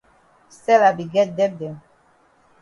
Stella be get debt dem.